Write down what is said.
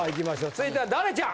続いてはダレちゃん。